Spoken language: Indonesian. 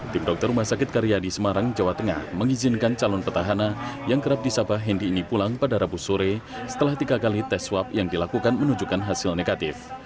tim dokter rumah sakit karyadi semarang jawa tengah mengizinkan calon petahana yang kerap disabah hendi ini pulang pada rabu sore setelah tiga kali tes swab yang dilakukan menunjukkan hasil negatif